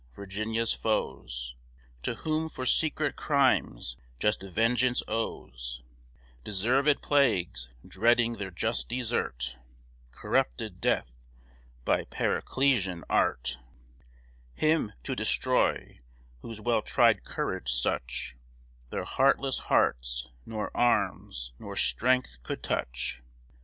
Virginia's foes, To whom for secret crimes just vengeance owes Deservèd plagues, dreading their just desert, Corrupted Death by Paracelsian art Him to destroy; whose well tried courage such, Their heartless hearts, nor arms, nor strength could touch.